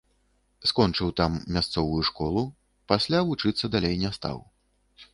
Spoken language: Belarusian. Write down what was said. Скончыў там мясцовую школу, пасля вучыцца далей не стаў.